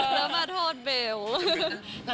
แล้วมาโทษเบล